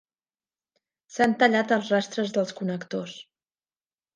S'han tallat els rastres dels connectors.